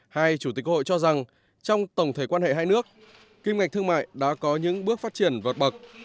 hai chủ tịch hội cho rằng trong tổng thể quan hệ hai nước kim ngạch thương mại đã có những bước phát triển vượt bậc